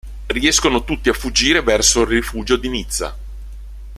Riescono tutti a fuggire verso il rifugio di Nizza.